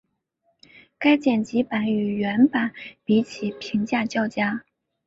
该剪辑版与原版比起评价较佳。